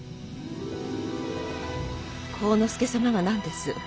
晃之助様が何です。